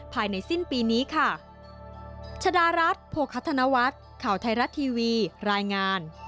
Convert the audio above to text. ภายในสิ้นปีนี้ค่ะ